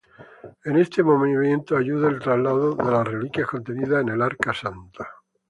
A este movimiento ayuda el traslado de las reliquias contenidas en el Arca Santa.